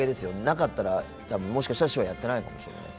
なかったら、多分、もしかしたら手話やってないかもしれない。